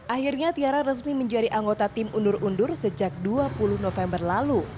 akhirnya tiara resmi menjadi anggota tim undur undur sejak dua puluh november lalu